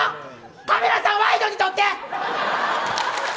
カメラさん、ワイドに撮って！